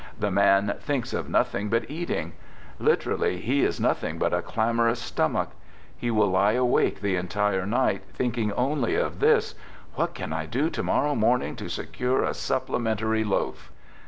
The man thinks of nothing but eating, t Literally he is nothing but a clamorous stomach. — j He will lie awake the entire night thinking only of I this :" What can I do to morrow morning to se l cure a supplementary loaf